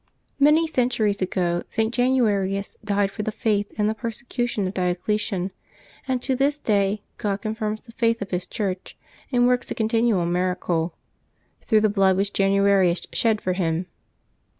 yrt ^^"^ centuries ago, St. Januarius died for the Faith M4 in the persecution of Diocletian, and to this day God confirms the faith of His Church, and works a con tinual miracle, through the blood which Januarius shed for Him.